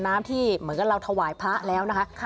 น้ำที่เหมือนกับเราถวายพระแล้วนะคะ